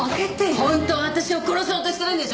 本当は私を殺そうとしてるんでしょ！？